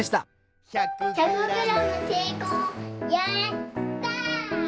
やった！